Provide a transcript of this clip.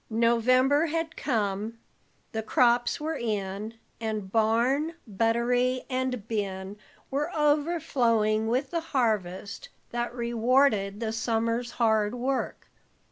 November had come; the crops were in, and barn, buttery, and bin were overflowing with the harvest that rewarded the summer's hard work.